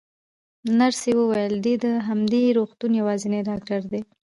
نرسې وویل: دی د همدې روغتون یوازینی ډاکټر دی.